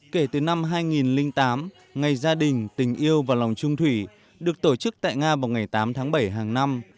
kể từ năm hai nghìn tám ngày gia đình tình yêu và lòng trung thủy được tổ chức tại nga vào ngày tám tháng bảy hàng năm